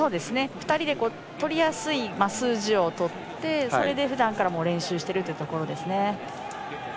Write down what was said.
２人でとりやすい数字をとってそれでふだんから練習しているというところですね。